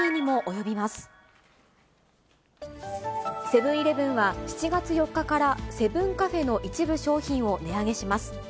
セブンーイレブンは、７月４日からセブンカフェの一部商品を値上げします。